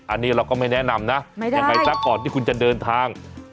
อันนี้เราก็ไม่แนะนำนะยังไงซะก่อนที่คุณจะเดินทาง